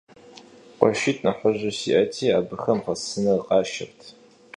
КъуэшитӀ нэхъыжьу сиӀэти, абыхэм гъэсыныр къашэрт.